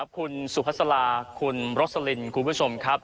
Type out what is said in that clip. คุณสุภาษาลาคุณรสลินคุณผู้ชมครับ